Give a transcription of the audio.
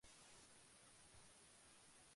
তিনি বোস্টনে ফিরে আসেন।